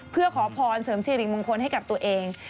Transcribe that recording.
เพื่อขอพรเสริมสิริมงคลให้กับตัวเอง